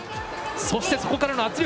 そしてそこからの圧力。